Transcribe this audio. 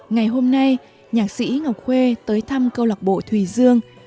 ngày hôm nay nhạc sĩ ngọc khuê tới thăm câu lạc bộ thùy dương